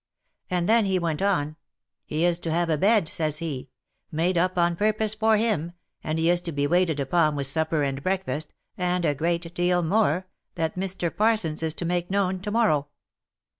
And then he went on :' He is to have a bed,' says he, ' made up on purpose for him, and he is to be waited upon with supper and breakfast,' and a great deal more, that Mr. Parsons is to make known to morrow.